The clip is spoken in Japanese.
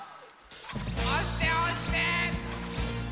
おしておして！